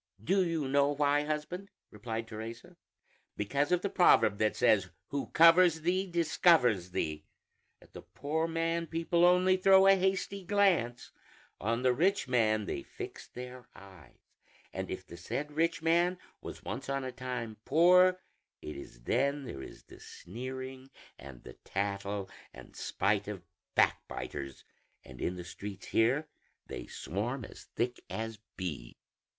"Do you know why, husband?" replied Teresa; "because of the proverb that says, 'Who covers thee, discovers thee.' At the poor man people only throw a hasty glance; on the rich man they fix their eyes; and if the said rich man was once on a time poor, it is then there is the sneering and the tattle and spite of backbiters; and in the streets here they swarm as thick as bees."